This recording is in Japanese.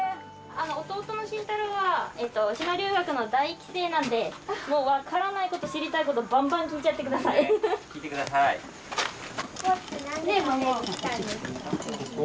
あの弟の真太郎は島留学の第一期生なんでもう分からないこと知りたいことバンバン聞いちゃってください聞いてくださいここ？